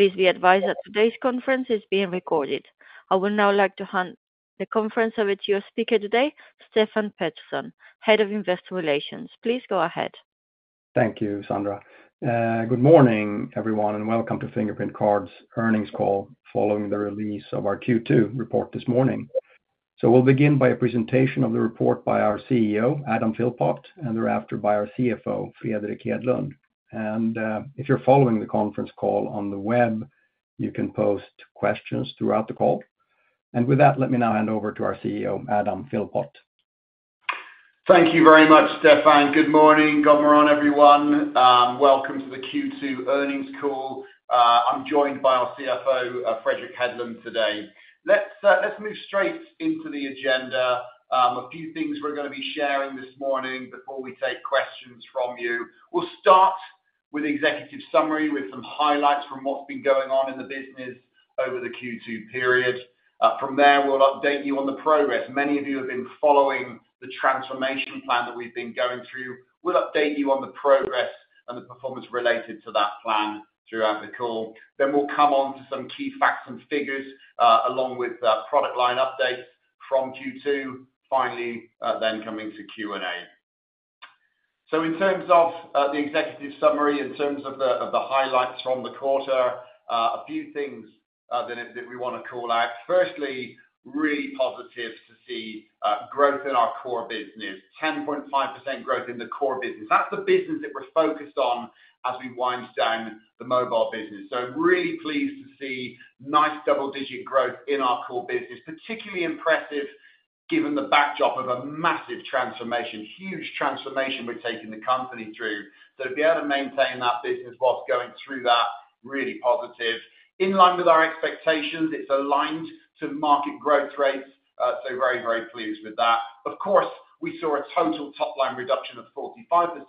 Please be advised that today's conference is being recorded. I would now like to hand the conference over to your speaker today, Stefan Pettersson, Head of Investor Relations. Please go ahead. Thank you, Sandra. Good morning, everyone, and welcome to Fingerprint Cards Earnings Call, following the release of our Q2 report this morning. We'll begin by a presentation of the report by our CEO, Adam Philpott, and thereafter by our CFO, Fredrik Hedlund. If you're following the conference call on the web, you can post questions throughout the call. With that, let me now hand over to our CEO, Adam Philpott. Thank you very much, Stefan. Good morning, good morning, everyone. Welcome to the Q2 earnings call. I'm joined by our CFO, Fredrik Hedlund today. Let's move straight into the agenda. A few things we're gonna be sharing this morning before we take questions from you. We'll start with executive summary, with some highlights from what's been going on in the business over the Q2 period. From there, we'll update you on the progress. Many of you have been following the transformation plan that we've been going through. We'll update you on the progress and the performance related to that plan throughout the call. Then we'll come on to some key facts and figures, along with product line updates from Q2. Finally, then coming to Q&A. So, in terms of the executive summary, in terms of the highlights from the quarter, a few things that we wanna call out. Firstly, really positive to see growth in our core business, 10.5% growth in the core business. That's the business that we're focused on as we wind down the mobile business. So really pleased to see nice double-digit growth in our core business. Particularly impressive, given the backdrop of a massive transformation, huge transformation we're taking the company through. So to be able to maintain that business whilst going through that, really positive. In line with our expectations, it's aligned to market growth rates, so very, very pleased with that. Of course, we saw a total top line reduction of 45%,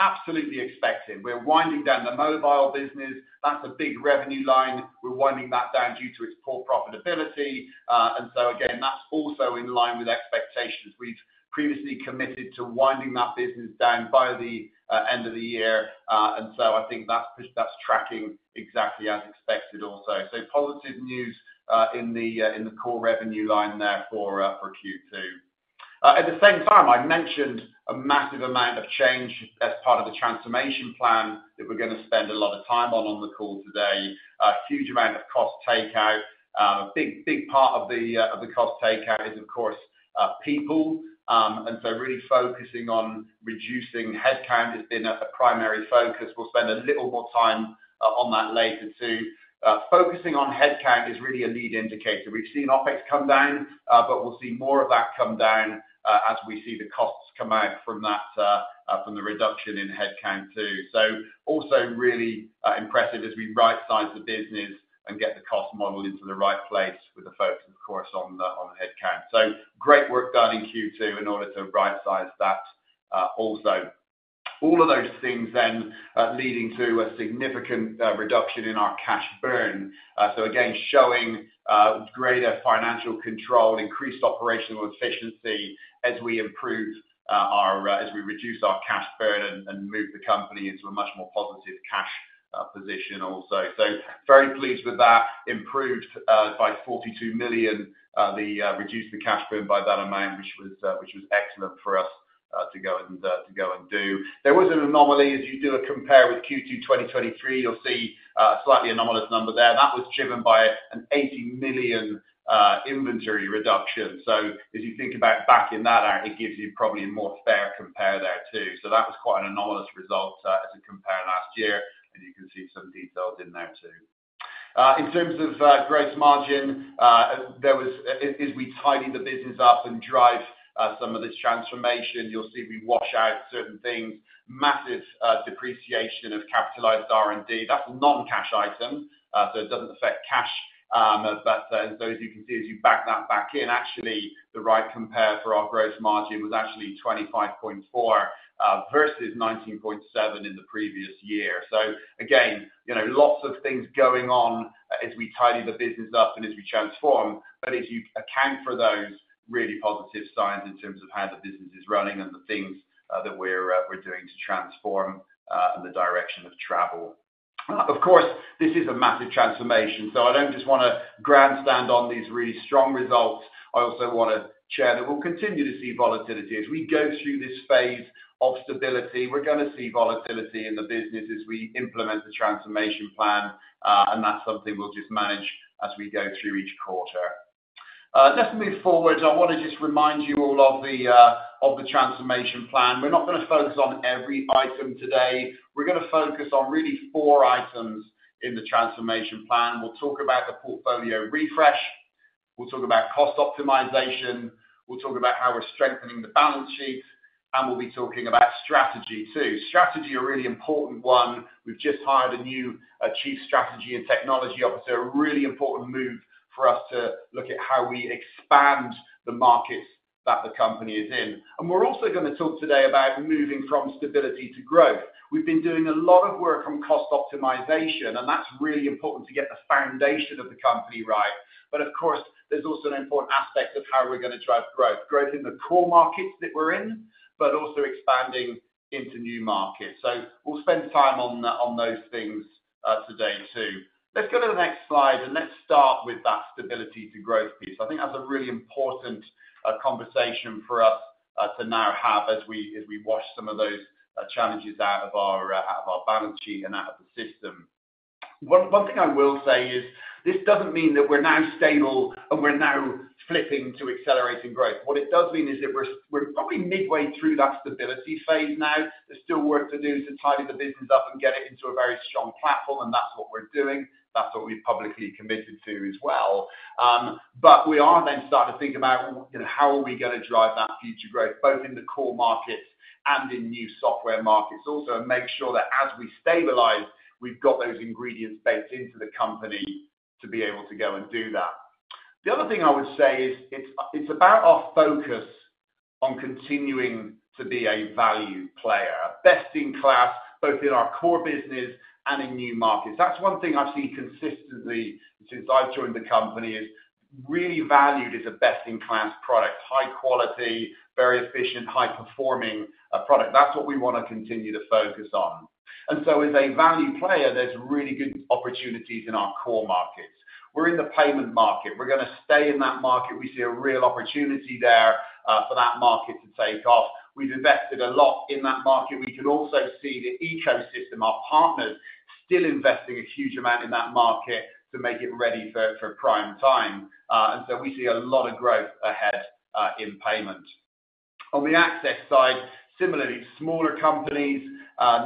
absolutely expected. We're winding down the mobile business. That's a big revenue line. We're winding that down due to its poor profitability, and so again, that's also in line with expectations. We've previously committed to winding that business down by the end of the year, and so I think that's, that's tracking exactly as expected also. So positive news in the core revenue line there for Q2. At the same time, I mentioned a massive amount of change as part of the transformation plan that we're gonna spend a lot of time on, on the call today. A huge amount of cost takeout. A big, big part of the cost takeout is, of course, people. And so really focusing on reducing headcount has been a primary focus. We'll spend a little more time on that later, too. Focusing on headcount is really a lead indicator. We've seen OpEx come down, but we'll see more of that come down, as we see the costs come out from that, from the reduction in headcount, too. So also really impressive as we rightsize the business and get the cost model into the right place with a focus, of course, on the headcount. So great work done in Q2 in order to rightsize that, also. All of those things then leading to a significant reduction in our cash burn. So again, showing greater financial control, increased operational efficiency as we improve, as we reduce our cash burn and move the company into a much more positive cash position also. So very pleased with that. Improved by 42 million, the reduced the cash burn by that amount, which was, which was excellent for us, to go and, to go and do. There was an anomaly, as you do a compare with Q2 2023, you'll see a slightly anomalous number there. That was driven by an 80 million inventory reduction. So as you think about backing that out, it gives you probably a more fair compare there, too. So that was quite an anomalous result, as we compare last year, and you can see some details in there, too. In terms of gross margin, there was... As we tidy the business up and drive some of this transformation, you'll see me wash out certain things. Massive depreciation of capitalized R&D, that's a non-cash item, so it doesn't affect cash. But so as you can see, as you back that back in, actually, the right compare for our gross margin was actually 25.4 versus 19.7 in the previous year. So again, you know, lots of things going on as we tidy the business up and as we transform, but as you account for those, really positive signs in terms of how the business is running and the things that we're doing to transform and the direction of travel. Of course, this is a massive transformation, so I don't just wanna grandstand on these really strong results. I also wanna share that we'll continue to see volatility. As we go through this phase of stability, we're gonna see volatility in the business as we implement the transformation plan, and that's something we'll just manage as we go through each quarter. Let's move forward. I wanna just remind you all of the transformation plan. We're not gonna focus on every item today. We're gonna focus on really four items in the transformation plan. We'll talk about the portfolio refresh, we'll talk about cost optimization, we'll talk about how we're strengthening the balance sheet, and we'll be talking about strategy, too. Strategy, a really important one. We've just hired a new Chief Strategy and Technology Officer. A really important move for us to look at how we expand the markets that the company is in. And we're also gonna talk today about moving from stability to growth. We've been doing a lot of work on cost optimization, and that's really important to get the foundation of the company right. But of course, there's also an important aspect of how we're gonna drive growth. Growth in the core markets that we're in, but also expanding into new markets. So we'll spend time on those things today, too. Let's go to the next slide, and let's start with that stability to growth piece. I think that's a really important conversation for us to now have as we wash some of those challenges out of our balance sheet and out of the system. One thing I will say is this doesn't mean that we're now stable, and we're now flipping to accelerating growth. What it does mean is that we're probably midway through that stability phase now. There's still work to do to tidy the business up and get it into a very strong platform, and that's what we're doing. That's what we've publicly committed to as well. But we are then starting to think about, you know, how are we gonna drive that future growth, both in the core markets and in new software markets. Also, make sure that as we stabilize, we've got those ingredients baked into the company to be able to go and do that. The other thing I would say is, it's about our focus on continuing to be a value player, best in class, both in our core business and in new markets. That's one thing I've seen consistently since I've joined the company, is really valued as a best-in-class product. High quality, very efficient, high-performing, product. That's what we wanna continue to focus on. And so as a value player, there's really good opportunities in our core markets. We're in the payment market. We're gonna stay in that market. We see a real opportunity there, for that market to take off. We've invested a lot in that market. We can also see the ecosystem, our partners, still investing a huge amount in that market to make it ready for prime time. And so we see a lot of growth ahead, in payment. On the access side, similarly, smaller companies,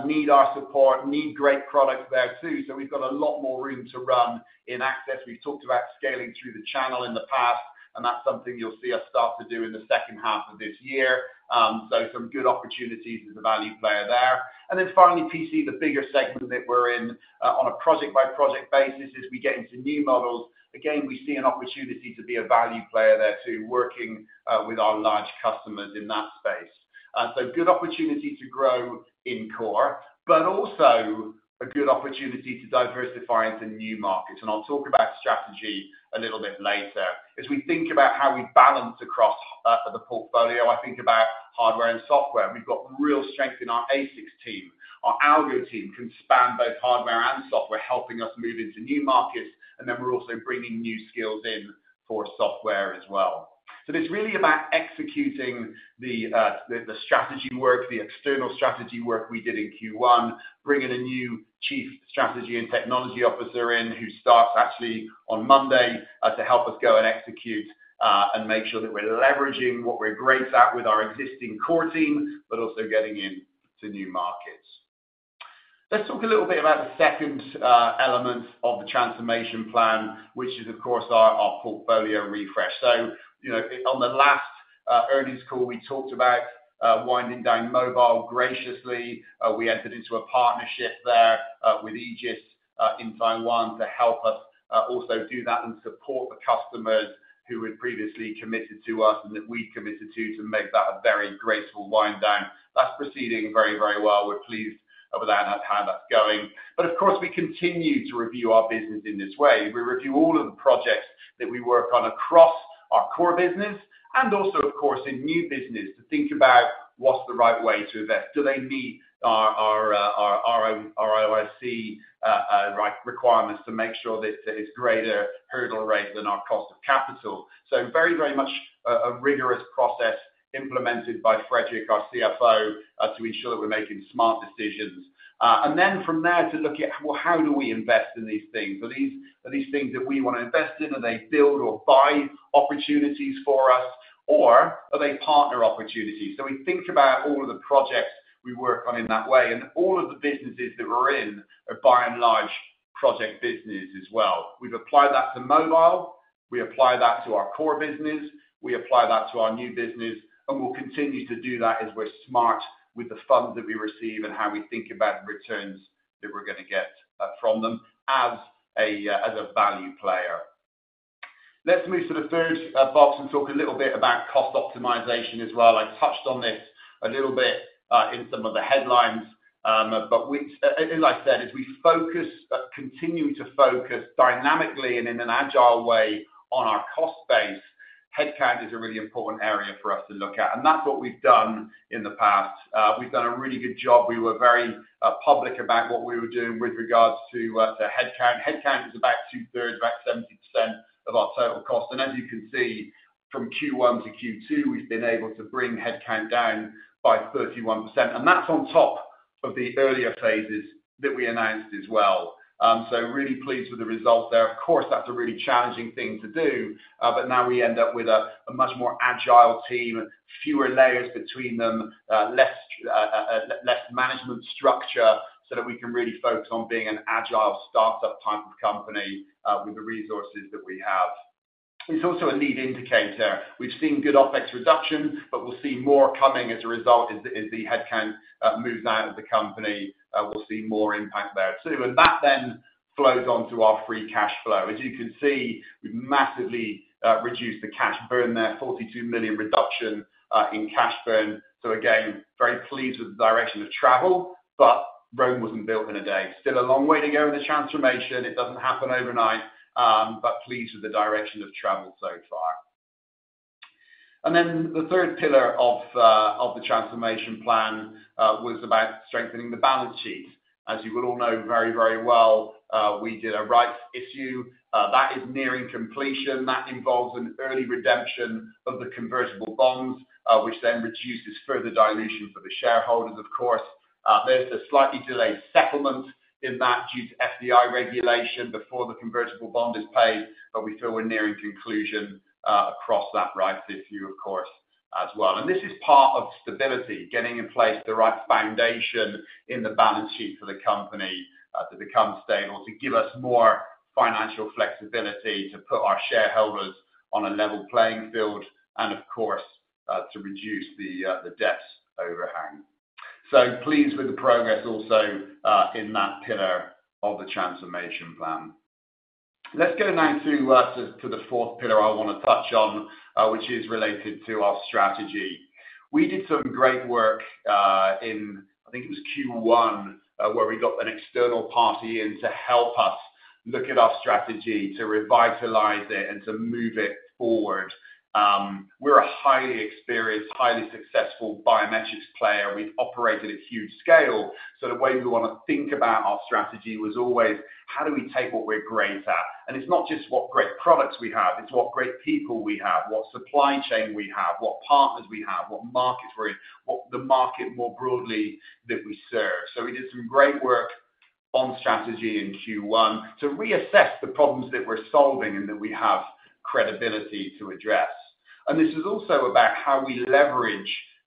need our support, need great products there, too, so we've got a lot more room to run in access. We've talked about scaling through the channel in the past, and that's something you'll see us start to do in the second half of this year. So some good opportunities as a value player there. And then finally, PC, the bigger segment that we're in, on a project-by-project basis, as we get into new models, again, we see an opportunity to be a value player there, too, working with our large customers in that space. And so, good opportunity to grow in core, but also a good opportunity to diversify into new markets, and I'll talk about strategy a little bit later. As we think about how we balance across the portfolio, I think about hardware and software, and we've got real strength in our ASICs team. Our Algo team can span both hardware and software, helping us move into new markets, and then we're also bringing new skills in for software as well. So it's really about executing the strategy work, the external strategy work we did in Q1, bringing a new Chief Strategy and Technology Officer in, who starts actually on Monday, to help us go and execute, and make sure that we're leveraging what we're great at with our existing core team, but also getting into new markets. Let's talk a little bit about the second element of the transformation plan, which is, of course, our portfolio refresh. So, you know, on the last earnings call, we talked about winding down mobile graciously. We entered into a partnership there with Egis in Taiwan to help us also do that and support the customers who had previously committed to us, and that we committed to, to make that a very graceful wind down. That's proceeding very, very well. We're pleased with that, how that's going. But of course, we continue to review our business in this way. We review all of the projects that we work on across our core business, and also, of course, in new business, to think about what's the right way to invest. Do they meet our ROIC requirements to make sure that it's greater hurdle rate than our cost of capital? So very, very much a rigorous process implemented by Fredrik, our CFO, to ensure that we're making smart decisions. And then from there, to look at, well, how do we invest in these things? Are these things that we want to invest in? Are they build or buy opportunities for us, or are they partner opportunities? So we think about all of the projects we work on in that way, and all of the businesses that we're in are by and large, project businesses as well. We've applied that to mobile. We apply that to our core business. We apply that to our new business, and we'll continue to do that as we're smart with the funds that we receive and how we think about the returns that we're gonna get, from them as a, as a value player. Let's move to the third box and talk a little bit about cost optimization as well. I touched on this a little bit, in some of the headlines, but we and like I said, as we focus, continue to focus dynamically and in an agile way on our cost base, headcount is a really important area for us to look at, and that's what we've done in the past. We've done a really good job. We were very public about what we were doing with regards to, to headcount. Headcount is about two-thirds, about 70% of our total cost. And as you can see, from Q1 to Q2, we've been able to bring headcount down by 31%, and that's on top of the earlier phases that we announced as well. So really pleased with the results there. Of course, that's a really challenging thing to do, but now we end up with a much more agile team, fewer layers between them, less management structure so that we can really focus on being an agile startup type of company, with the resources that we have. It's also a lead indicator. We've seen good OpEx reductions, but we'll see more coming as a result as the headcount moves out of the company, we'll see more impact there, too, and that then flows on to our free cash flow. As you can see, we've massively reduced the cash burn there, 42 million reduction in cash burn. So again, very pleased with the direction of travel, but Rome wasn't built in a day. Still a long way to go in the transformation. It doesn't happen overnight, but pleased with the direction of travel so far. And then the third pillar of the transformation plan was about strengthening the balance sheet. As you will all know very, very well, we did a rights issue that is nearing completion. That involves an early redemption of the convertible bonds, which then reduces further dilution for the shareholders, of course. There's a slightly delayed settlement in that due to FDI regulation before the convertible bond is paid, but we feel we're nearing conclusion across that rights issue, of course, as well. This is part of stability, getting in place the right foundation in the balance sheet for the company, to become stable, to give us more financial flexibility, to put our shareholders on a level playing field, and of course, to reduce the debt overhang. Pleased with the progress also in that pillar of the transformation plan. Let's go now to the fourth pillar I wanna touch on, which is related to our strategy. We did some great work in, I think it was Q1, where we got an external party in to help us look at our strategy, to revitalize it and to move it forward. We're a highly experienced, highly successful biometrics player. We've operated at huge scale, so the way we wanna think about our strategy was always: how do we take what we're great at? And it's not just what great products we have, it's what great people we have, what supply chain we have, what partners we have, what markets we're in, what, the market more broadly that we serve. So we did some great work on strategy in Q1 to reassess the problems that we're solving and that we have credibility to address. And this is also about how we leverage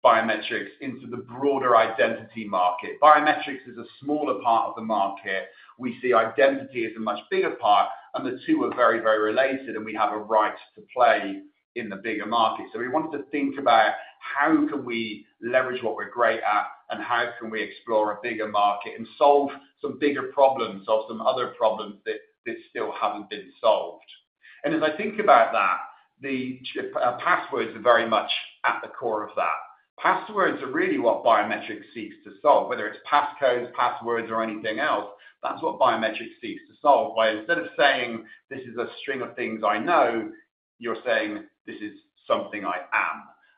biometrics into the broader identity market. Biometrics is a smaller part of the market. We see identity as a much bigger part, and the two are very, very related, and we have a right to play in the bigger market. So we wanted to think about how can we leverage what we're great at, and how can we explore a bigger market and solve some bigger problems or some other problems that, that still haven't been solved. And as I think about that, passwords are very much at the core of that. Passwords are really what biometrics seeks to solve, whether it's passcodes, passwords, or anything else, that's what biometrics seeks to solve. By instead of saying, "This is a string of things I know," you're saying, "This is something I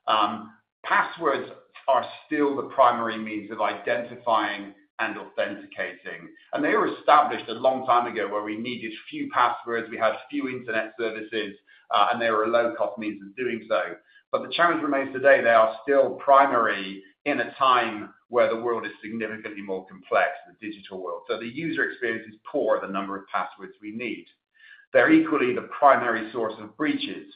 am." Passwords are still the primary means of identifying and authenticating, and they were established a long time ago where we needed few passwords, we had few internet services, and they were a low-cost means of doing so. But the challenge remains today, they are still primary in a time where the world is significantly more complex, the digital world. So the user experience is poor, the number of passwords we need. They're equally the primary source of breaches,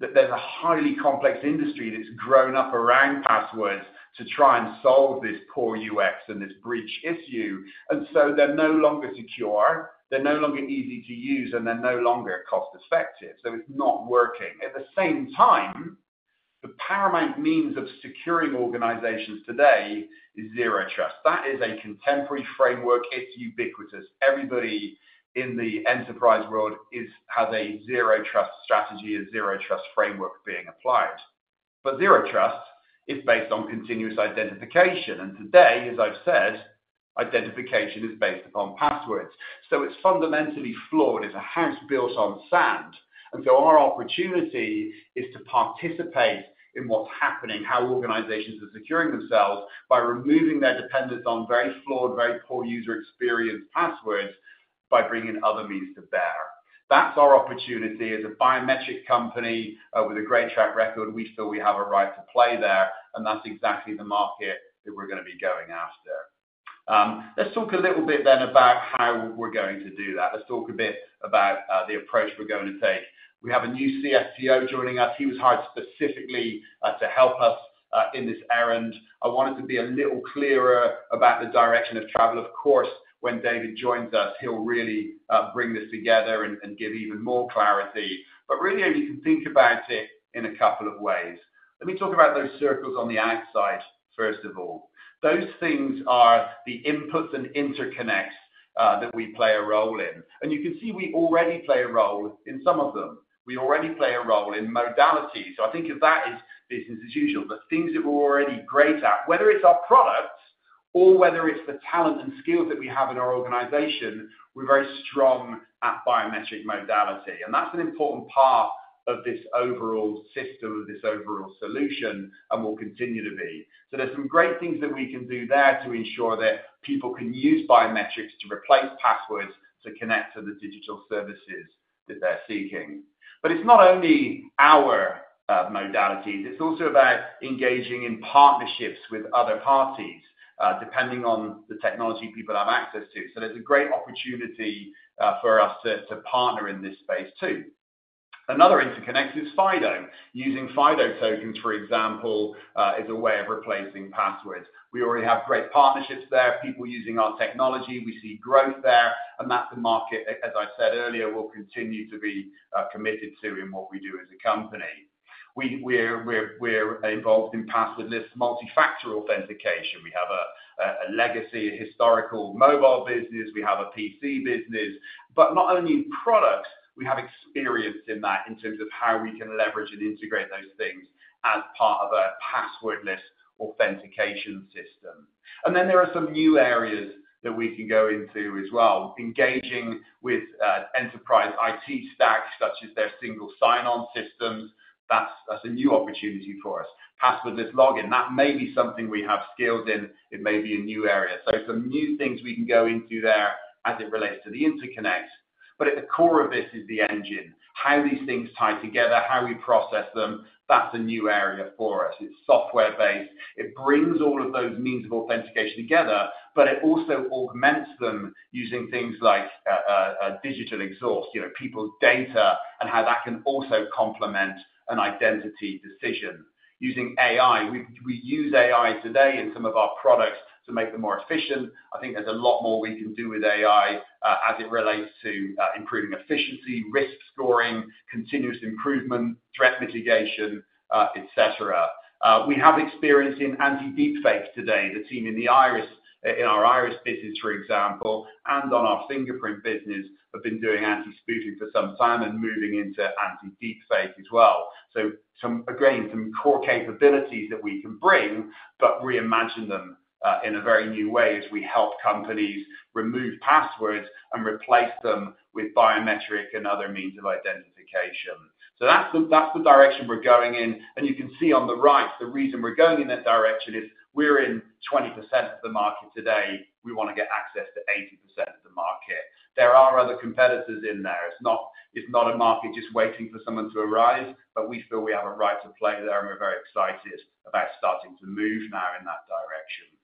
that there's a highly complex industry that's grown up around passwords to try and solve this poor UX and this breach issue, and so they're no longer secure, they're no longer easy to use, and they're no longer cost-effective, so it's not working. At the same time, the paramount means of securing organizations today is Zero Trust. That is a contemporary framework, it's ubiquitous. Everybody in the enterprise world has a Zero Trust strategy or Zero Trust framework being applied. But Zero Trust is based on continuous identification, and today, as I've said, identification is based upon passwords, so it's fundamentally flawed. It's a house built on sand, and so our opportunity is to participate in what's happening, how organizations are securing themselves by removing their dependence on very flawed, very poor user experience passwords, by bringing other means to bear. That's our opportunity. As a biometric company, with a great track record, we feel we have a right to play there, and that's exactly the market that we're gonna be going after. Let's talk a little bit then about how we're going to do that. Let's talk a bit about the approach we're going to take. We have a new CSTO joining us. He was hired specifically to help us in this errand. I wanted to be a little clearer about the direction of travel. Of course, when David joins us, he'll really bring this together and give even more clarity. But really, only you can think about it in a couple of ways. Let me talk about those circles on the outside, first of all. Those things are the inputs and interconnects that we play a role in. And you can see we already play a role in some of them. We already play a role in modality. So I think of that as business as usual, the things that we're already great at, whether it's our products or whether it's the talent and skills that we have in our organization, we're very strong at biometric modality, and that's an important part of this overall system, of this overall solution, and will continue to be. So there's some great things that we can do there to ensure that people can use biometrics to replace passwords, to connect to the digital services that they're seeking. But it's not only our modalities, it's also about engaging in partnerships with other parties, depending on the technology people have access to. So there's a great opportunity for us to partner in this space, too. Another interconnect is FIDO. Using FIDO tokens, for example, is a way of replacing passwords. We already have great partnerships there, people using our technology. We see growth there, and that's a market, as I said earlier, we'll continue to be committed to in what we do as a company. We're involved in passwordless multi-factor authentication. We have a legacy, a historical mobile business, we have a PC business, but not only in products, we have experience in that in terms of how we can leverage and integrate those things as part of a passwordless authentication system. And then there are some new areas that we can go into as well, engaging with enterprise IT stacks, such as their single sign-on systems. That's a new opportunity for us. Passwordless login, that may be something we have skills in, it may be a new area. So some new things we can go into there as it relates to the interconnect. But at the core of this is the engine, how these things tie together, how we process them, that's a new area for us. It's software-based. It brings all of those means of authentication together, but it also augments them using things like a digital exhaust, you know, people's data, and how that can also complement an identity decision. Using AI, we use AI today in some of our products to make them more efficient. I think there's a lot more we can do with AI, as it relates to, improving efficiency, risk scoring, continuous improvement, threat mitigation, et cetera. We have experience in anti-deepfake today, the team in the Iris business, for example, and on our fingerprint business, have been doing anti-spoofing for some time and moving into anti-deepfake as well. So some, again, some core capabilities that we can bring, but reimagine them, in a very new way as we help companies remove passwords and replace them with biometric and other means of identification. So that's the, that's the direction we're going in. And you can see on the right, the reason we're going in that direction is we're in 20% of the market today. We want to get access to 80% of the market. There are other competitors in there. It's not, it's not a market just waiting for someone to arrive, but we feel we have a right to play there, and we're very excited about starting to move now in that direction.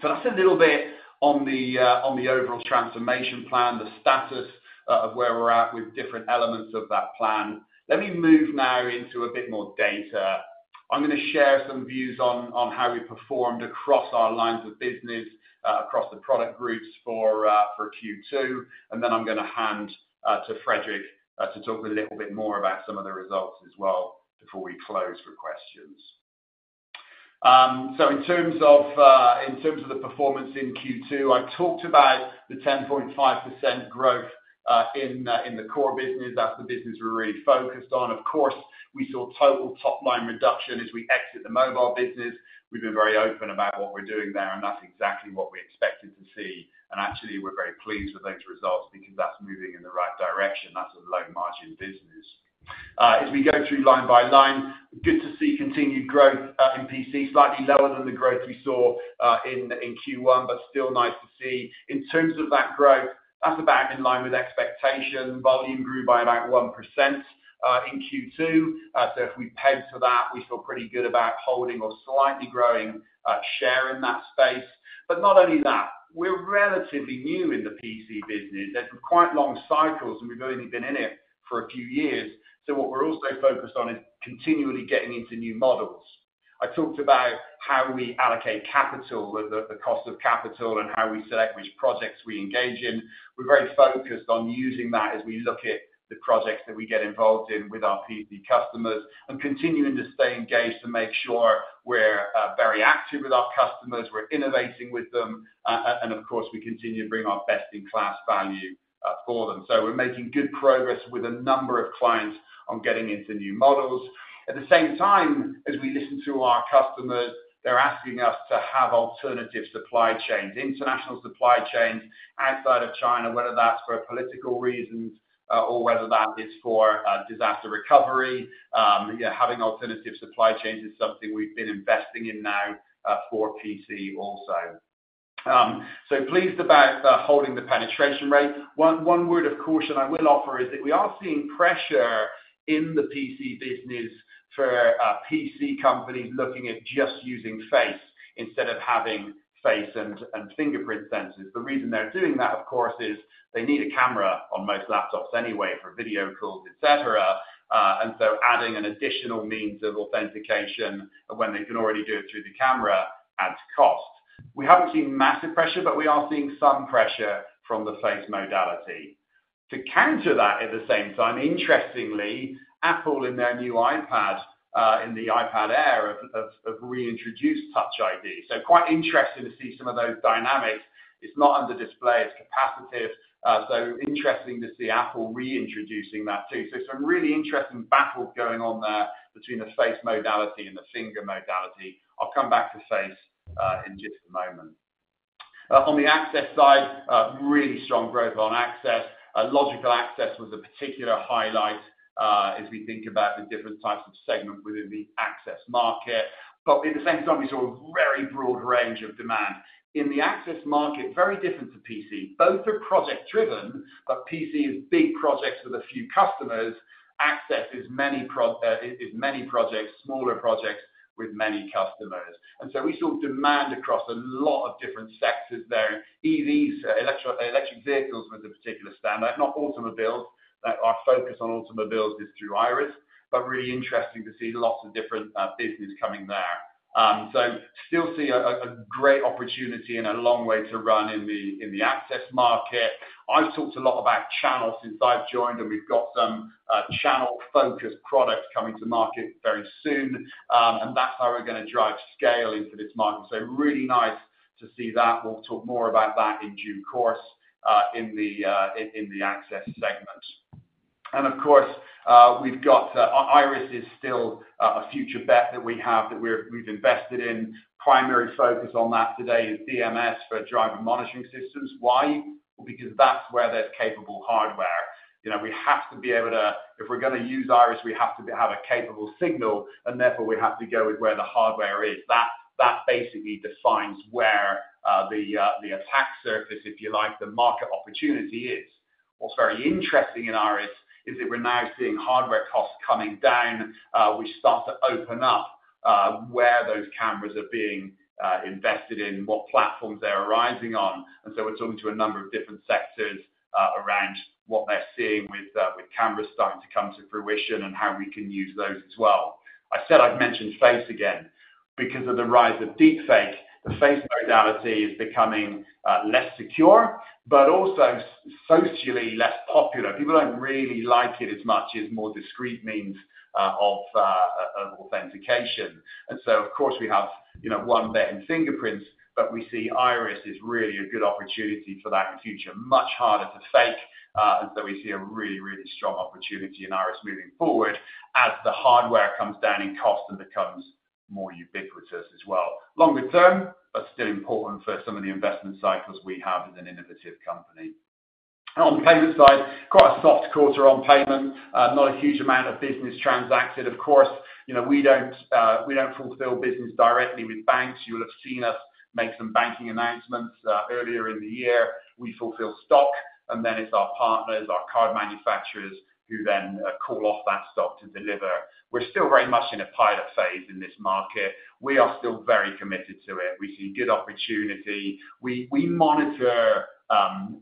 So that's a little bit on the overall transformation plan, the status of where we're at with different elements of that plan. Let me move now into a bit more data. I'm gonna share some views on how we performed across our lines of business, across the product groups for Q2, and then I'm gonna hand to Fredrik to talk a little bit more about some of the results as well before we close for questions. So in terms of the performance in Q2, I talked about the 10.5% growth in the core business. That's the business we're really focused on. Of course, we saw total top-line reduction as we exit the mobile business. We've been very open about what we're doing there, and that's exactly what we expected to see, and actually, we're very pleased with those results because that's moving in the right direction. That's a low-margin business. As we go through line by line, good to see continued growth in PC, slightly lower than the growth we saw in Q1, but still nice to see. In terms of that growth, that's about in line with expectation. Volume grew by about 1% in Q2. So if we pegged to that, we feel pretty good about holding or slightly growing share in that space. But not only that, we're relatively new in the PC business. There's quite long cycles, and we've only been in it for a few years. So what we're also focused on is continually getting into new models. I talked about how we allocate capital, the cost of capital, and how we select which projects we engage in. We're very focused on using that as we look at the projects that we get involved in with our PC customers and continuing to stay engaged to make sure we're very active with our customers, we're innovating with them, and of course, we continue to bring our best-in-class value for them. So we're making good progress with a number of clients on getting into new models. At the same time, as we listen to our customers, they're asking us to have alternative supply chains, international supply chains outside of China, whether that's for political reasons or whether that is for disaster recovery. Having alternative supply chains is something we've been investing in now for PC also. So pleased about holding the penetration rate. One word of caution I will offer is that we are seeing pressure in the PC business for PC companies looking at just using face instead of having face and fingerprint sensors. The reason they're doing that, of course, is they need a camera on most laptops anyway for video calls, et cetera, and so adding an additional means of authentication when they can already do it through the camera adds cost. We haven't seen massive pressure, but we are seeing some pressure from the face modality. To counter that at the same time, interestingly, Apple in their new iPad, in the iPad Air, have reintroduced Touch ID. So quite interesting to see some of those dynamics. It's not under display, it's capacitive, so interesting to see Apple reintroducing that, too. So some really interesting battles going on there between the face modality and the finger modality. I'll come back to face in just a moment. On the access side, really strong growth on access. Logical access was a particular highlight, as we think about the different types of segment within the access market. But at the same time, we saw a very broad range of demand. In the access market, very different to PC. Both are project driven, but PC is big projects with a few customers. Access is many projects, smaller projects with many customers. And so we saw demand across a lot of different sectors there. EVs, electric vehicles, was a particular stand out, not automobiles. Our focus on automobiles is through Iris, but really interesting to see lots of different business coming there. So still see a great opportunity and a long way to run in the access market. I've talked a lot about channel since I've joined, and we've got some channel-focused products coming to market very soon, and that's how we're gonna drive scale into this market. So really nice to see that. We'll talk more about that in due course, in the access segment. And of course, we've got, Iris is still, a future bet that we have, that we've invested in. Primary focus on that today is DMS for driver monitoring systems. Why? Because that's where there's capable hardware. You know, we have to be able to—if we're gonna use Iris, we have to be, have a capable signal, and therefore, we have to go with where the hardware is. That, that basically defines where, the, the attack surface, if you like, the market opportunity is. What's very interesting in Iris is that we're now seeing hardware costs coming down, which start to open up, where those cameras are being, invested in, what platforms they're arising on. And so we're talking to a number of different sectors around what they're seeing with cameras starting to come to fruition and how we can use those as well. I said I'd mention face again, because of the rise of deepfake, the face modality is becoming less secure, but also socially less popular. People don't really like it as much as more discrete means of authentication. And so, of course, we have, you know, one bet in fingerprints, but we see Iris is really a good opportunity for that in the future. Much harder to fake, and so we see a really, really strong opportunity in Iris moving forward as the hardware comes down in cost and becomes more ubiquitous as well. Longer term, but still important for some of the investment cycles we have as an innovative company. On the payment side, quite a soft quarter on payment. Not a huge amount of business transacted. Of course, you know, we don't, we don't fulfill business directly with banks. You will have seen us make some banking announcements earlier in the year. We fulfill stock, and then it's our partners, our card manufacturers, who then call off that stock to deliver. We're still very much in a pilot phase in this market. We are still very committed to it. We see good opportunity. We, we monitor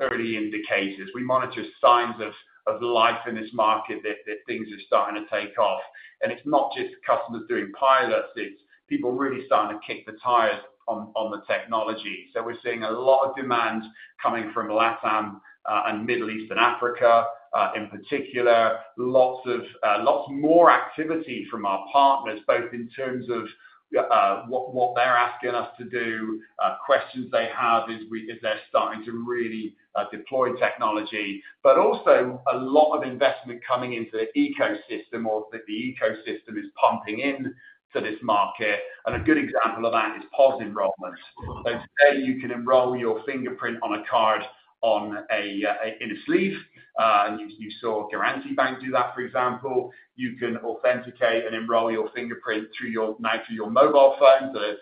early indicators. We monitor signs of life in this market that things are starting to take off, and it's not just customers doing pilots, it's people really starting to kick the tires on the technology. So we're seeing a lot of demand coming from LATAM and Middle East and Africa, in particular. Lots more activity from our partners, both in terms of what they're asking us to do, questions they have as they're starting to really deploy technology. But also a lot of investment coming into the ecosystem or that the ecosystem is pumping in to this market. And a good example of that is POS enrollment. So today, you can enroll your fingerprint on a card, in a sleeve. And you saw Garanti BBVA do that, for example. You can authenticate and enroll your fingerprint through your—now through your mobile phone. So there's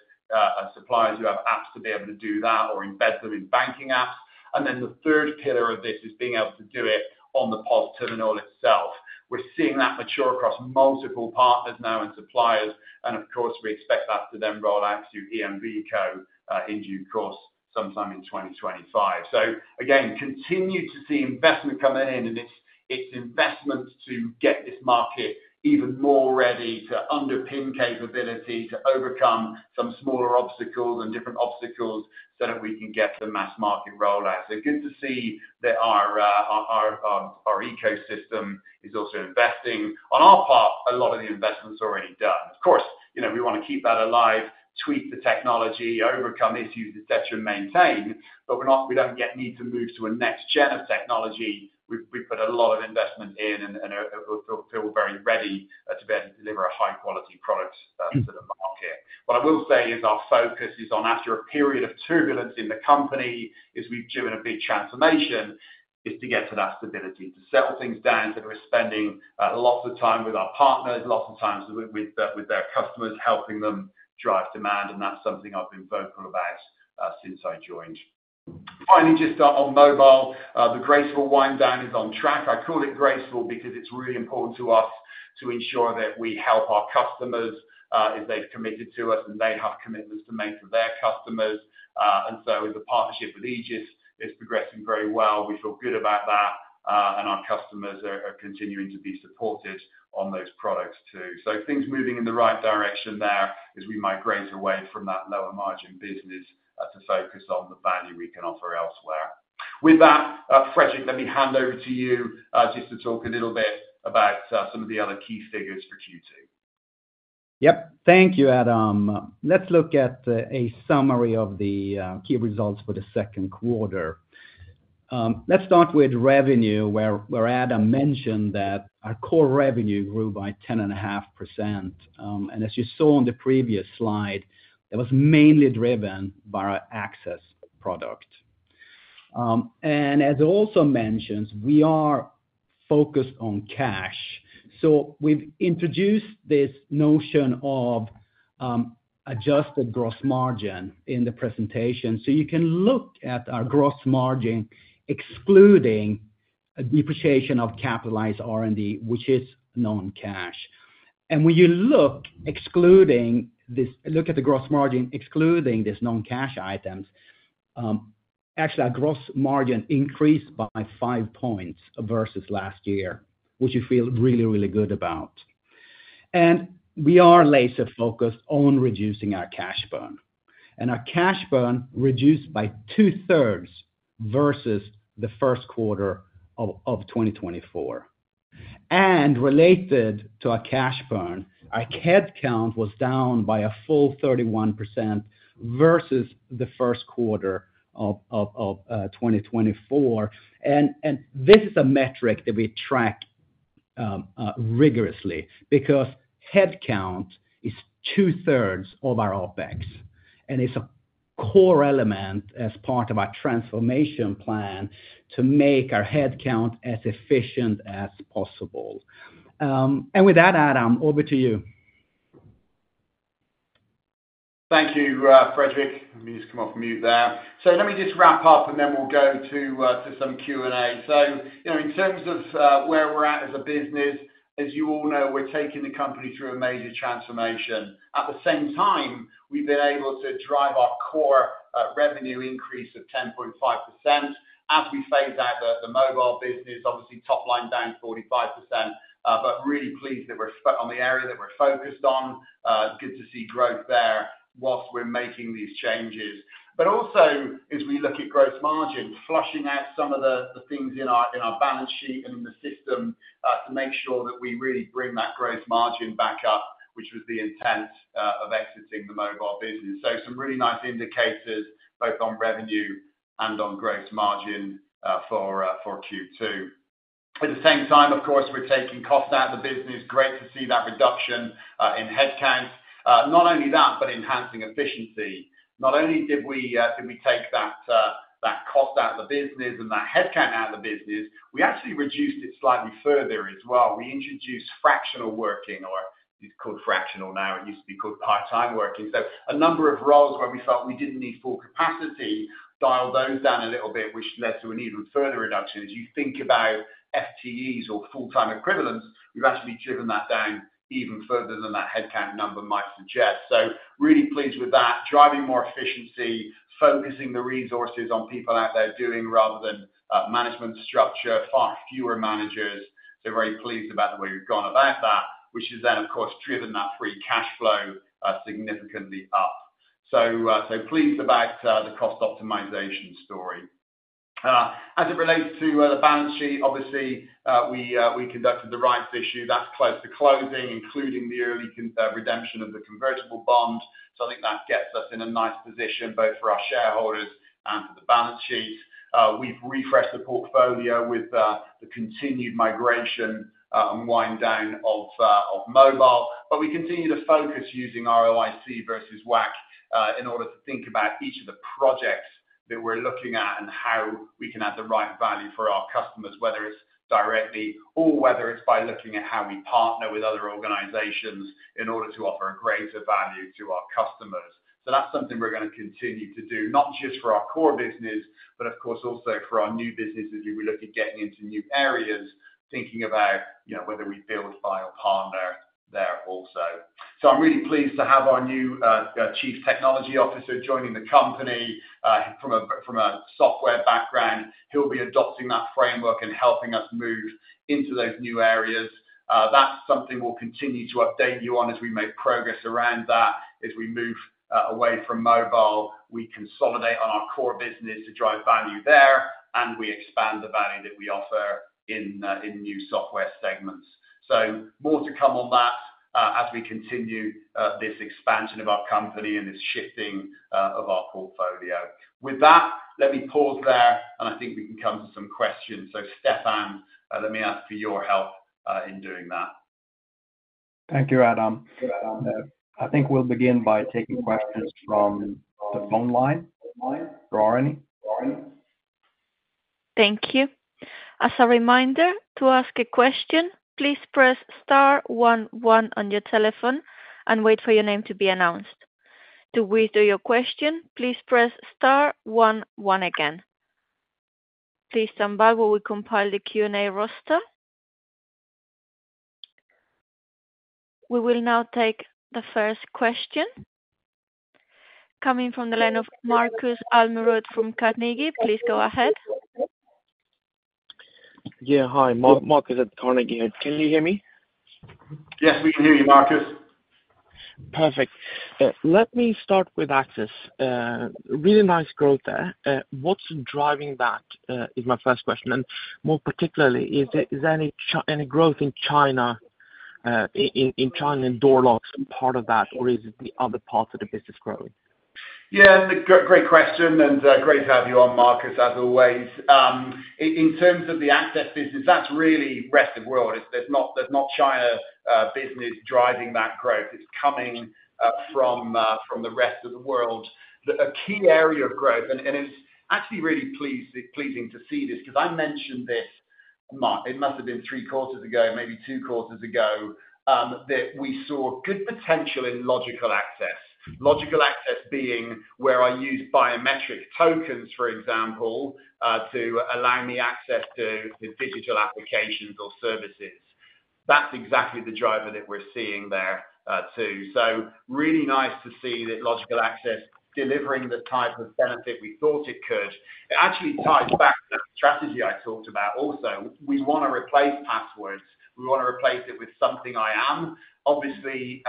suppliers who have apps to be able to do that or embed them in banking apps. And then the third pillar of this is being able to do it on the POS terminal itself. We're seeing that mature across multiple partners now and suppliers, and of course, we expect that to then roll out to EMVCo in due course, sometime in 2025. So again, continue to see investment coming in, and it's investments to get this market even more ready to underpin capability, to overcome some smaller obstacles and different obstacles so that we can get the mass market rollout. So good to see that our ecosystem is also investing. On our part, a lot of the investment's already done. Of course, you know, we wanna keep that alive, tweak the technology, overcome issues, et cetera, maintain, but we're not - we don't yet need to move to a next gen of technology. We've put a lot of investment in and feel very ready to be able to deliver a high-quality product to the market. What I will say is our focus is on after a period of turbulence in the company, as we've driven a big transformation, is to get to that stability, to settle things down. So we're spending lots of time with our partners, lots of time with their customers, helping them drive demand, and that's something I've been vocal about since I joined. Finally, just on mobile, the graceful wind down is on track. I call it graceful because it's really important to us to ensure that we help our customers if they've committed to us, and they have commitments to make to their customers. And so the partnership with Egis is progressing very well. We feel good about that, and our customers are, are continuing to be supported on those products, too. So things moving in the right direction there as we migrate away from that lower margin business, to focus on the value we can offer elsewhere. With that, Fredrik, let me hand over to you, just to talk a little bit about, some of the other key figures for Q2. Yep. Thank you, Adam. Let's look at a summary of the key results for the second quarter. Let's start with revenue, where Adam mentioned that our core revenue grew by 10.5%. And as you saw on the previous slide, it was mainly driven by our access product. And as also mentioned, we are focused on cash. So we've introduced this notion of adjusted gross margin in the presentation. So you can look at our gross margin, excluding depreciation of capitalized R&D, which is non-cash. And when you look excluding this--look at the gross margin, excluding these non-cash items, actually, our gross margin increased by five points versus last year, which we feel really, really good about. We are laser focused on reducing our cash burn, and our cash burn reduced by two-thirds versus the first quarter of 2024. Related to our cash burn, our head count was down by a full 31% versus the first quarter of 2024. This is a metric that we track rigorously, because headcount is two-thirds of our OpEx, and it's a core element as part of our transformation plan to make our headcount as efficient as possible. With that, Adam, over to you. Thank you, Fredrik. Let me just come off mute there. So let me just wrap up, and then we'll go to some Q&A. So, you know, in terms of where we're at as a business, as you all know, we're taking the company through a major transformation. At the same time, we've been able to drive our core revenue increase of 10.5%. As we phase out the mobile business, obviously, top line down 45%, but really pleased that we're on the area that we're focused on. Good to see growth there whilst we're making these changes. But also, as we look at gross margin, flushing out some of the things in our balance sheet and in the system, to make sure that we really bring that gross margin back up, which was the intent of exiting the mobile business. So some really nice indicators, both on revenue and on gross margin, for Q2. At the same time, of course, we're taking cost out of the business. Great to see that reduction in headcount. Not only that, but enhancing efficiency. Not only did we take that cost out of the business and that headcount out of the business, we actually reduced it slightly further as well. We introduced fractional working, or it's called fractional now. It used to be called part-time working. So a number of roles where we felt we didn't need full capacity, dial those down a little bit, which led to an even further reduction. As you think about FTEs or full-time equivalents, we've actually driven that down even further than that headcount number might suggest. So really pleased with that, driving more efficiency, focusing the resources on people out there doing, rather than, management structure, far fewer managers. So very pleased about the way we've gone about that, which has then, of course, driven that free cash flow significantly up. So, so pleased about the cost optimization story. As it relates to the balance sheet, obviously, we conducted the rights issue. That's close to closing, including the early redemption of the convertible bonds. So I think that gets us in a nice position, both for our shareholders and for the balance sheet. We've refreshed the portfolio with the continued migration and wind down of mobile, but we continue to focus using ROIC versus WACC in order to think about each of the projects that we're looking at and how we can add the right value for our customers, whether it's directly or whether it's by looking at how we partner with other organizations in order to offer a greater value to our customers. So that's something we're gonna continue to do, not just for our core business, but of course, also for our new business, as we look at getting into new areas, thinking about, you know, whether we build, buy or partner there also. I'm really pleased to have our new Chief Technology Officer joining the company, from a software background. He'll be adopting that framework and helping us move into those new areas. That's something we'll continue to update you on as we make progress around that. As we move away from mobile, we consolidate on our core business to drive value there, and we expand the value that we offer in new software segments. So more to come on that, as we continue this expansion of our company and this shifting of our portfolio. With that, let me pause there, and I think we can come to some questions. So, Stefan, let me ask for your help in doing that. Thank you, Adam. I think we'll begin by taking questions from the phone line. Laurie? Thank you. As a reminder, to ask a question, please press star one one on your telephone and wait for your name to be announced. To withdraw your question, please press star one one again. Please stand by while we compile the Q&A roster. We will now take the first question coming from the line of Marcus Almerud from Carnegie. Please go ahead. Yeah, hi, Marcus at Carnegie. Can you hear me? Yes, we can hear you, Marcus. Perfect. Let me start with access. Really nice growth there. What's driving that? Is my first question, and more particularly, is there any growth in China, in door locks part of that, or is it the other parts of the business growing? Yeah, great question, and great to have you on, Marcus, as always. In terms of the access business, that's really rest of world. There's not China business driving that growth. It's coming from the rest of the world. A key area of growth, and it's actually really pleasing to see this, because I mentioned this, it must have been three quarters ago, maybe two quarters ago, that we saw good potential in logical access. Logical access being where I use biometric tokens, for example, to allow me access to digital applications or services. That's exactly the driver that we're seeing there, too. So really nice to see that logical access delivering the type of benefit we thought it could. It actually ties back to the strategy I talked about also. We wanna replace passwords. We wanna replace it with something I am. Obviously,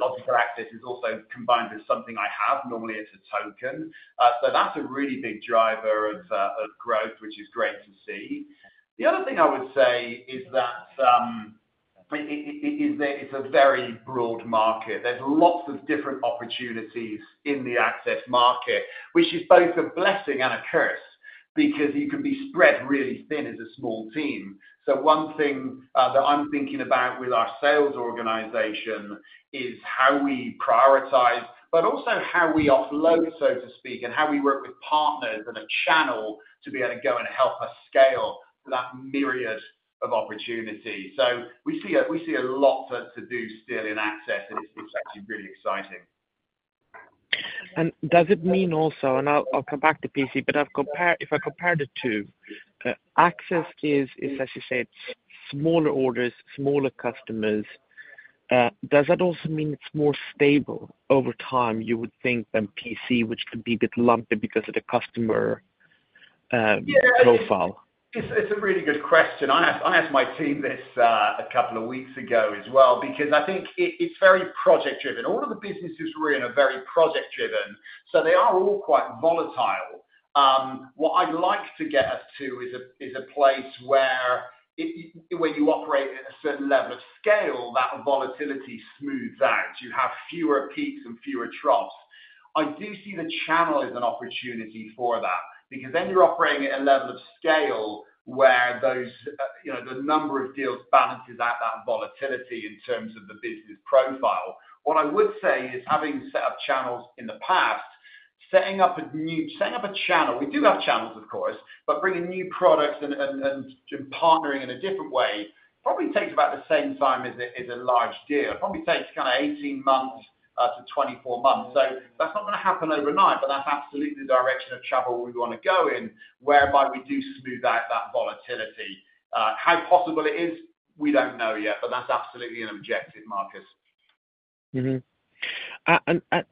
logical access is also combined with something I have, normally it's a token. So that's a really big driver of growth, which is great to see. The other thing I would say is that it's a very broad market. There's lots of different opportunities in the access market, which is both a blessing and a curse, because you can be spread really thin as a small team. So one thing that I'm thinking about with our sales organization is how we prioritize, but also how we offload, so to speak, and how we work with partners and a channel to be able to go and help us scale that myriad of opportunities. So we see a lot to do still in access, and it's actually really exciting. Does it mean also, and I'll come back to PC, but I've compared, if I compared the two, access is, as you said, smaller orders, smaller customers, does that also mean it's more stable over time, you would think, than PC, which could be a bit lumpy because of the customer profile? Yeah, it's, it's a really good question. I asked, I asked my team this, a couple of weeks ago as well, because I think it, it's very project driven. All of the businesses we're in are very project driven, so they are all quite volatile. What I'd like to get us to is a place where it, when you operate at a certain level of scale, that volatility smooths out. You have fewer peaks and fewer troughs. I do see the channel as an opportunity for that, because then you're operating at a level of scale where those, you know, the number of deals balances out that volatility in terms of the business profile. What I would say is, having set up channels in the past, setting up a new channel, we do have channels, of course, but bringing new products and partnering in a different way, probably takes about the same time as a large deal. It probably takes kinda 18-24 months. So that's not gonna happen overnight, but that's absolutely the direction of travel we wanna go in, whereby we do smooth out that volatility. How possible it is? We don't know yet, but that's absolutely an objective, Marcus. Mm-hmm.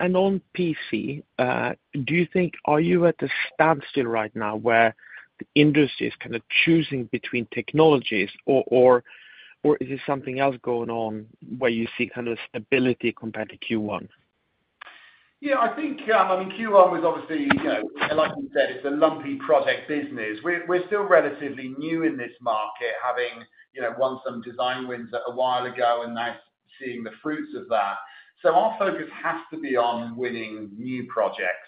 And on PC, do you think? Are you at a standstill right now where the industry is kind of choosing between technologies or is there something else going on where you see kind of stability compared to Q1? Yeah, I think, I mean, Q1 was obviously, you know, like you said, it's a lumpy project business. We're, we're still relatively new in this market, having, you know, won some design wins a while ago and now seeing the fruits of that. So our focus has to be on winning new projects,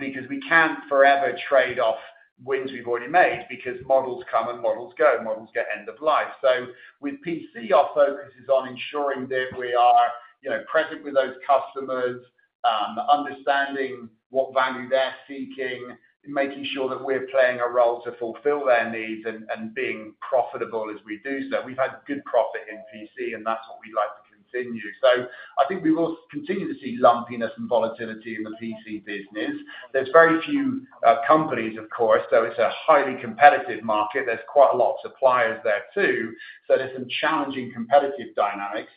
because we can't forever trade off wins we've already made, because models come and models go, models get end of life. So with PC, our focus is on ensuring that we are, you know, present with those customers, understanding what value they're seeking, making sure that we're playing a role to fulfill their needs, and, and being profitable as we do so. We've had good profit in PC, and that's what we'd like to continue. So I think we will continue to see lumpiness and volatility in the PC business. There's very few companies, of course, so it's a highly competitive market. There's quite a lot of suppliers there, too, so there's some challenging competitive dynamics.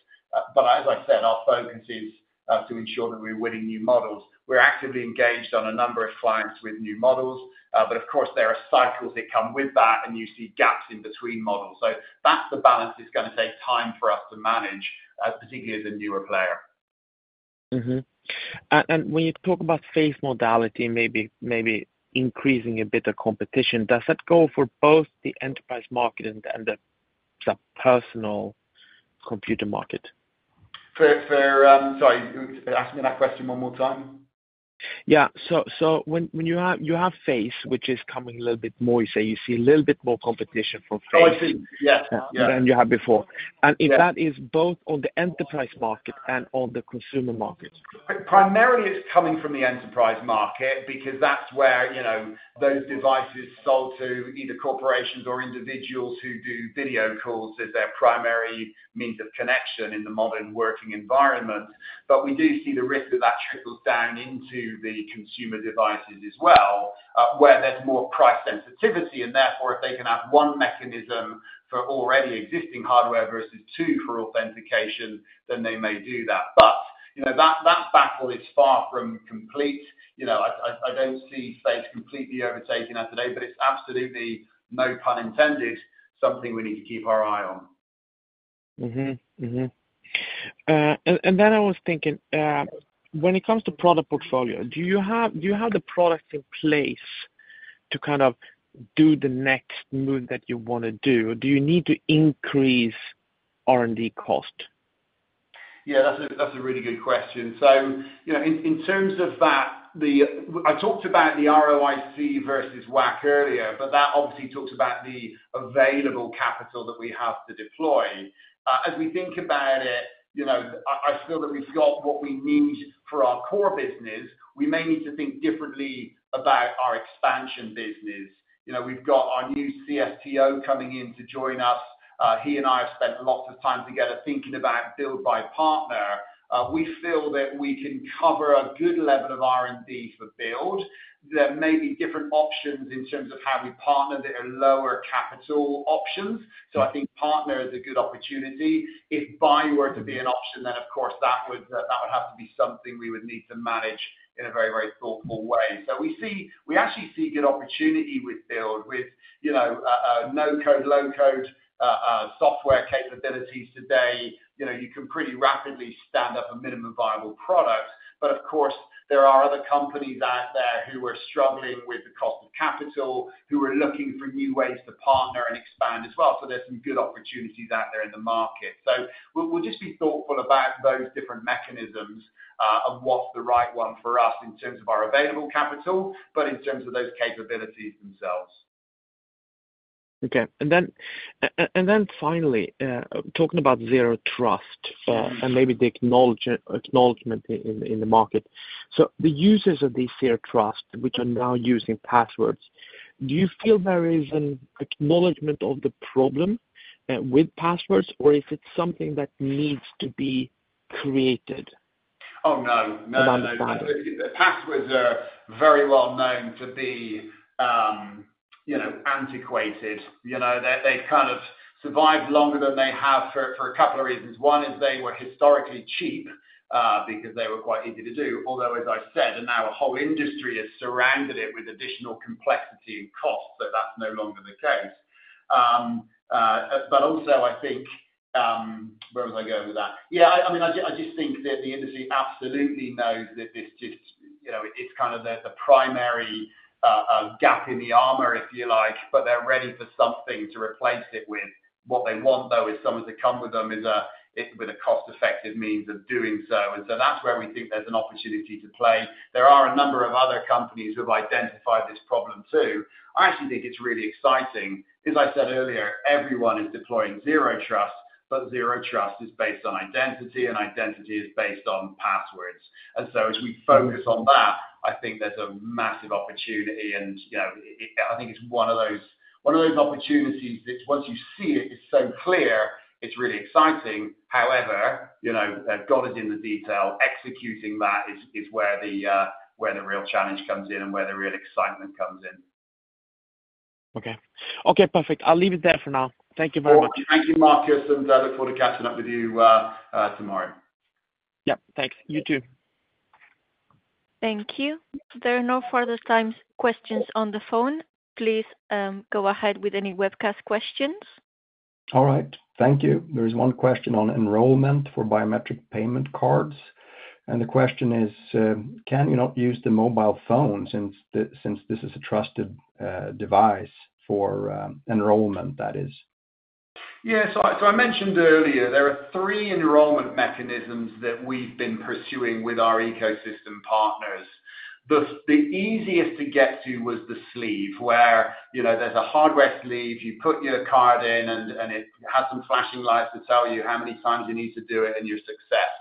But as I said, our focus is to ensure that we're winning new models. We're actively engaged on a number of clients with new models, but of course, there are cycles that come with that, and you see gaps in between models. So that's the balance that's gonna take time for us to manage, particularly as a newer player. Mm-hmm. And when you talk about face modality, maybe increasing a bit of competition, does that go for both the enterprise market and the personal computer market? Sorry, ask me that question one more time. Yeah. So when you have—you have face, which is coming a little bit more, you say you see a little bit more competition from face- Oh, I see. Yeah, yeah. -than you had before. Yeah. If that is both on the enterprise market and on the consumer market. Primarily, it's coming from the enterprise market, because that's where, you know, those devices sold to either corporations or individuals who do video calls as their primary means of connection in the modern working environment. But we do see the risk of that trickle down into the consumer devices as well, where there's more price sensitivity, and therefore, if they can have one mechanism for already existing hardware versus two for authentication, then they may do that. But, you know, that battle is far from complete. You know, I don't see face completely overtaking us today, but it's absolutely, no pun intended, something we need to keep our eye on. Mm-hmm. Mm-hmm. And then I was thinking, when it comes to product portfolio, do you have, do you have the products in place to kind of do the next move that you wanna do? Do you need to increase R&D cost? Yeah, that's a really good question. So, you know, in terms of that, I talked about the ROIC versus WACC earlier, but that obviously talks about the available capital that we have to deploy. As we think about it, you know, I feel that we've got what we need for our core business. We may need to think differently about our expansion business. You know, we've got our new CSTO coming in to join us. He and I have spent lots of time together thinking about build or buy partner. We feel that we can cover a good level of R&D for build. There may be different options in terms of how we partner that are lower capital options, so I think partner is a good opportunity. If buy were to be an option, then, of course, that would have to be something we would need to manage in a very, very thoughtful way. So we see we actually see good opportunity with build, with, you know, no-code, low-code, software capabilities today. You know, you can pretty rapidly stand up a minimum viable product, but of course, there are other companies out there who are struggling with the cost of capital, who are looking for new ways to partner and expand as well. So there's some good opportunities out there in the market. So we'll just be thoughtful about those different mechanisms, and what's the right one for us in terms of our available capital, but in terms of those capabilities themselves. ... Okay, and then, and then finally, talking about Zero Trust, and maybe the acknowledgment in the market. So the users of this Zero Trust, which are now using passwords, do you feel there is an acknowledgment of the problem with passwords, or if it's something that needs to be created? Oh, no. About that. No, no, no. Passwords are very well known to be, you know, antiquated. You know, they kind of survived longer than they have for a couple of reasons. One is they were historically cheap, because they were quite easy to do. Although, as I said, and now a whole industry has surrounded it with additional complexity and cost, so that's no longer the case. But also I think, where was I going with that? Yeah, I mean, I just think that the industry absolutely knows that this just, you know, it's kind of the primary gap in the armor, if you like, but they're ready for something to replace it with. What they want, though, is something to come with them is a, with a cost-effective means of doing so. So that's where we think there's an opportunity to play. There are a number of other companies who have identified this problem, too. I actually think it's really exciting. As I said earlier, everyone is deploying Zero Trust, but Zero Trust is based on identity, and identity is based on passwords. So as we focus on that, I think there's a massive opportunity and, you know, it—I think it's one of those, one of those opportunities which once you see it, it's so clear, it's really exciting. However, you know, the God is in the detail. Executing that is where the real challenge comes in and where the real excitement comes in. Okay. Okay, perfect. I'll leave it there for now. Thank you very much. Thank you, Marcus, and I look forward to catching up with you tomorrow. Yep, thanks. You too. Thank you. There are no further questions at this time on the phone. Please go ahead with any webcast questions. All right. Thank you. There is one question on enrollment for biometric payment cards, and the question is, can you not use the mobile phone since this is a trusted device for enrollment, that is? Yeah. So I mentioned earlier, there are three enrollment mechanisms that we've been pursuing with our ecosystem partners. The easiest to get to was the sleeve, where, you know, there's a hardware sleeve, you put your card in and it has some flashing lights to tell you how many times you need to do it and your success.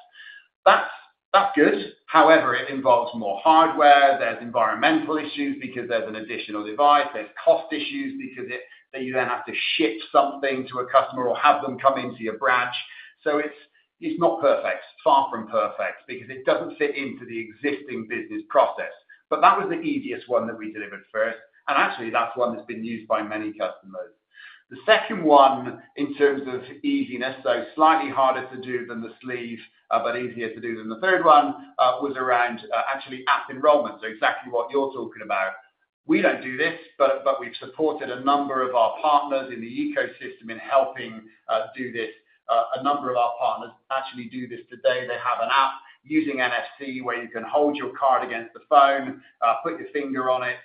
That's good. However, it involves more hardware, there's environmental issues because there's an additional device, there's cost issues because it that you then have to ship something to a customer or have them come into your branch. So it's not perfect, far from perfect, because it doesn't fit into the existing business process. But that was the easiest one that we delivered first, and actually, that's one that's been used by many customers. The second one, in terms of easiness, so slightly harder to do than the sleeve, but easier to do than the third one, was around actually app enrollment. So exactly what you're talking about. We don't do this, but we've supported a number of our partners in the ecosystem in helping do this. A number of our partners actually do this today. They have an app using NFC, where you can hold your card against the phone, put your finger on it,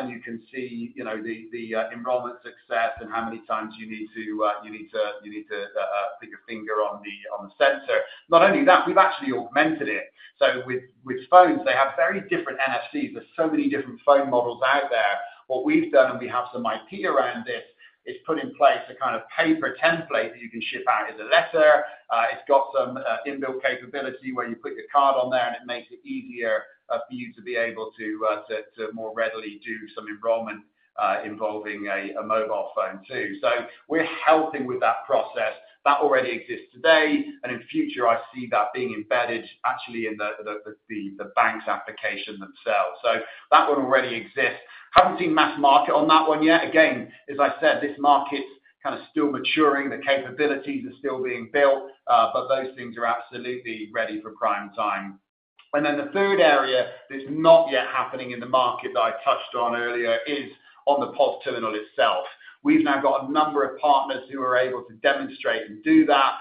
and you can see, you know, the enrollment success and how many times you need to put your finger on the sensor. Not only that, we've actually augmented it. So with phones, they have very different NFCs. There's so many different phone models out there. What we've done, and we have some IP around this, is put in place a kind of paper template that you can ship out as a letter. It's got some inbuilt capability, where you put your card on there, and it makes it easier for you to be able to more readily do some enrollment involving a mobile phone, too. So we're helping with that process. That already exists today, and in future, I see that being embedded actually in the bank's application themselves. So that one already exists. Haven't seen mass market on that one yet. Again, as I said, this market's kind of still maturing. The capabilities are still being built, but those things are absolutely ready for prime time. And then the third area that's not yet happening in the market that I touched on earlier is on the POS terminal itself. We've now got a number of partners who are able to demonstrate and do that,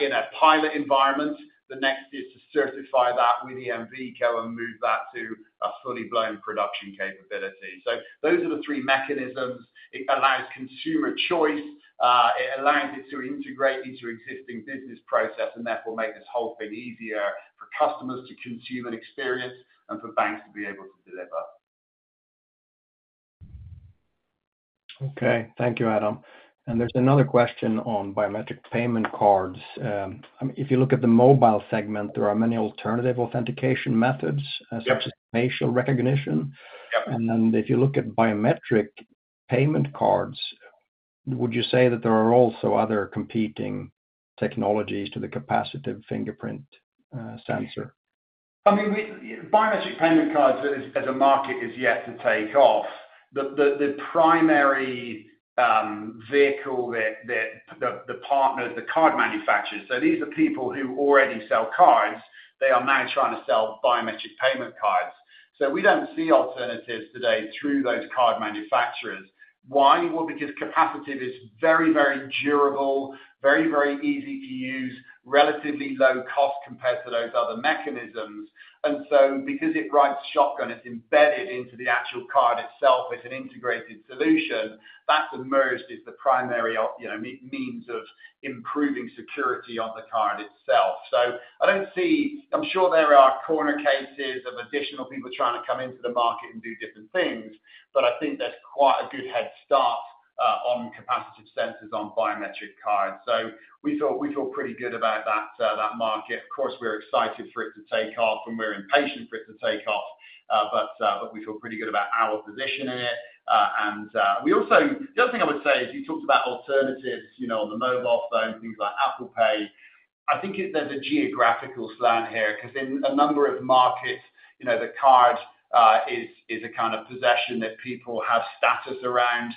in a pilot environment. The next is to certify that with EMVCo and move that to a full-blown production capability. So those are the three mechanisms. It allows consumer choice, it allows it to integrate into existing business process, and therefore, make this whole thing easier for customers to consume and experience, and for banks to be able to deliver. Okay. Thank you, Adam. There's another question on biometric payment cards. If you look at the mobile segment, there are many alternative authentication methods- Yep. - such as facial recognition. Yep. Then if you look at biometric payment cards, would you say that there are also other competing technologies to the capacitive fingerprint sensor? I mean, biometric payment cards as a market is yet to take off. The primary vehicle that the partners, the card manufacturers, so these are people who already sell cards, they are now trying to sell biometric payment cards. So we don't see alternatives today through those card manufacturers. Why? Well, because capacitive is very, very durable, very, very easy to use, relatively low cost compared to those other mechanisms. And so because it rides shotgun, it's embedded into the actual card itself as an integrated solution, that's emerged as the primary, you know, means of improving security on the card itself. So I don't see. I'm sure there are corner cases of additional people trying to come into the market and do things, but I think there's quite a good head start on capacitive sensors on biometric cards. So we feel pretty good about that market. Of course, we're excited for it to take off, and we're impatient for it to take off, but we feel pretty good about our position in it. And we also, the other thing I would say is, you talked about alternatives, you know, on the mobile phone, things like Apple Pay. I think there's a geographical slant here, 'cause in a number of markets, you know, the card is a kind of possession that people have status around.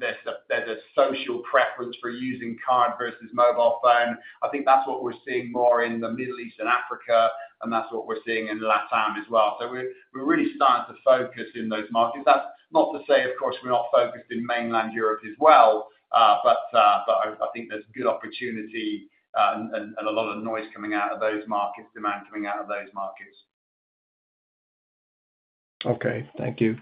There's a social preference for using card versus mobile phone. I think that's what we're seeing more in the Middle East and Africa, and that's what we're seeing in LATAM as well. So we're really starting to focus in those markets. That's not to say, of course, we're not focused in Mainland Europe as well, but I think there's good opportunity, and a lot of noise coming out of those markets, demand coming out of those markets. Okay, thank you.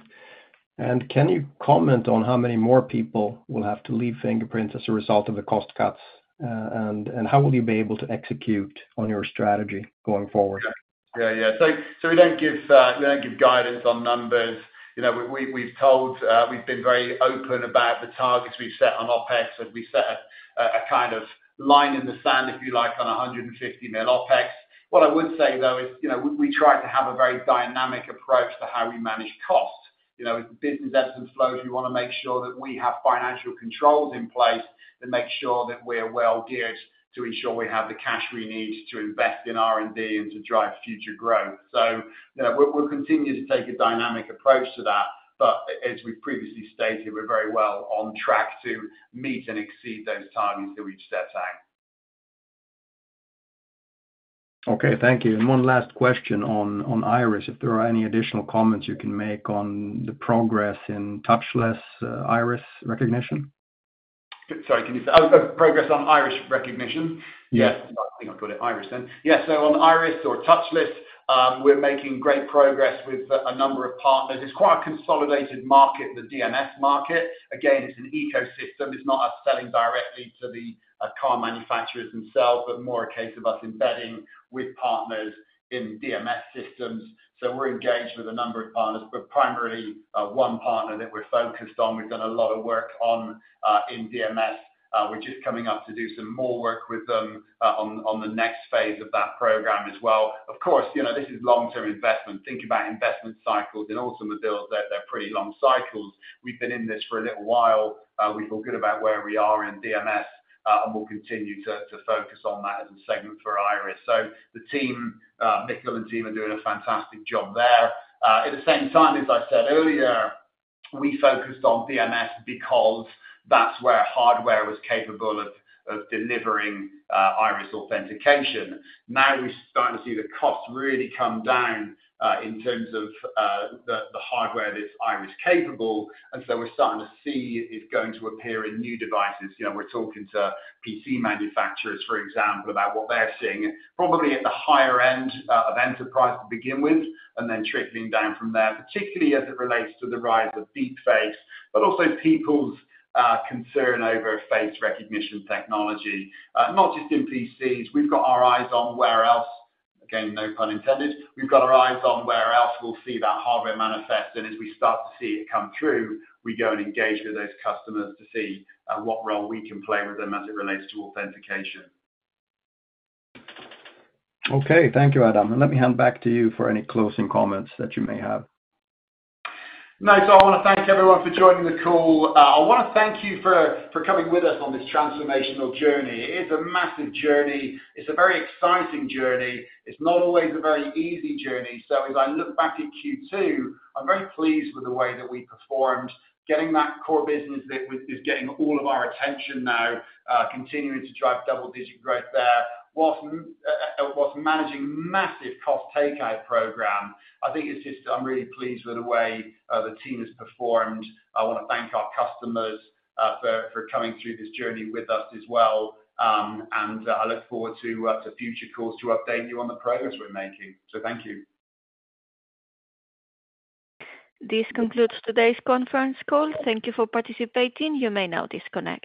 Can you comment on how many more people will have to leave Fingerprint as a result of the cost cuts? And how will you be able to execute on your strategy going forward? Yeah, yeah. So, so we don't give, we don't give guidance on numbers. You know, we, we've told... We've been very open about the targets we've set on OpEx, and we set a, a, a kind of line in the sand, if you like, on 150 million OpEx. What I would say, though, is, you know, we, we try to have a very dynamic approach to how we manage costs. You know, as the business ebbs and flows, we wanna make sure that we have financial controls in place that make sure that we're well geared to ensure we have the cash we need to invest in R&D and to drive future growth. So, you know, we'll, we'll continue to take a dynamic approach to that. But as we've previously stated, we're very well on track to meet and exceed those targets that we've set out. Okay, thank you. And one last question on Iris. If there are any additional comments you can make on the progress in touchless iris recognition? Sorry, can you say— Oh, progress on iris recognition? Yes. Yeah, I think I called it Iris, then. Yeah, so on Iris or touchless, we're making great progress with a number of partners. It's quite a consolidated market, the DMS market. Again, it's an ecosystem. It's not us selling directly to the car manufacturers themselves, but more a case of us embedding with partners in DMS systems. So we're engaged with a number of partners, but primarily one partner that we're focused on. We've done a lot of work on in DMS, we're just coming up to do some more work with them on the next phase of that program as well. Of course, you know, this is long-term investment. Think about investment cycles. In automobile, they're pretty long cycles. We've been in this for a little while. We feel good about where we are in DMS, and we'll continue to focus on that as a segment for Iris. So the team, Niklas and the team are doing a fantastic job there. At the same time, as I said earlier, we focused on DMS because that's where hardware was capable of delivering iris authentication. Now, we're starting to see the costs really come down in terms of the hardware that's iris capable, and so we're starting to see it's going to appear in new devices. You know, we're talking to PC manufacturers, for example, about what they're seeing. Probably at the higher end of enterprise to begin with, and then trickling down from there, particularly as it relates to the rise of deepfakes, but also people's concern over face recognition technology. Not just in PCs, we've got our eyes on where else, again, no pun intended. We've got our eyes on where else we'll see that hardware manifest, and as we start to see it come through, we go and engage with those customers to see what role we can play with them as it relates to authentication. Okay. Thank you, Adam, and let me hand back to you for any closing comments that you may have. No, so I wanna thank everyone for joining the call. I wanna thank you for, for coming with us on this transformational journey. It is a massive journey. It's a very exciting journey. It's not always a very easy journey. So as I look back at Q2, I'm very pleased with the way that we performed, getting that core business that is getting all of our attention now, continuing to drive double-digit growth there, whilst, whilst managing massive cost takeout program. I think it's just... I'm really pleased with the way the team has performed. I wanna thank our customers for, for coming through this journey with us as well, and I look forward to future calls to update you on the progress we're making. So thank you. This concludes today's conference call. Thank you for participating. You may now disconnect.